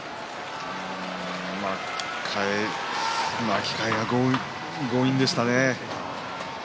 巻き替えが強引でしたね